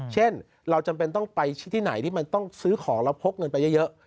เช่นเราจำเป็นต้องไปที่ไหนที่มันต้องซื้อของแล้วพกเงินไปเยอะ